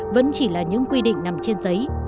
vẫn chỉ là những quy định nằm trên giấy